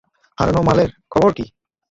হারানো মালের খবর কী?